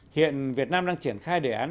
hiện việt nam đang triển khai đề án